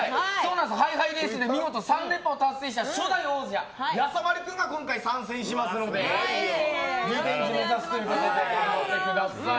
ハイハイレースで見事、３連覇を達成した初代王者やさまる君が今回、参戦しますのでリベンジを目指すということで頑張ってください。